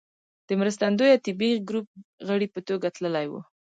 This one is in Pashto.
د مرستندويه طبي ګروپ غړي په توګه تللی و.